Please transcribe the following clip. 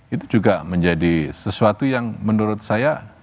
itu juga menjadi sesuatu yang menurut saya